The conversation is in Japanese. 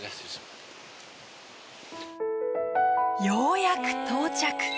ようやく到着。